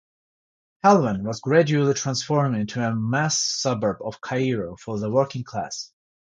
Helwan was gradually transformed into a mass suburb of Cairo for the working class.